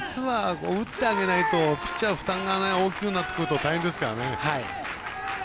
やっぱり夏は打ってあげないとピッチャー負担が大きくなってくると大変ですからね。